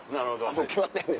もう決まってんねん。